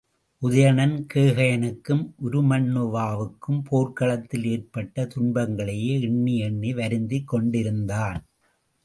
உதயணன், கேகயனுக்கும் உருமண்ணுவாவுக்கும் போர்க் களத்தில் ஏற்பட்ட துன்பங்களையே எண்ணி எண்ணி வருந்திக் கொண்டிருந்தான்.